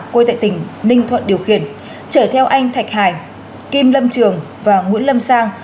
quê tại tỉnh ninh thuận điều khiển chở theo anh thạch hải kim lâm trường và nguyễn lâm sang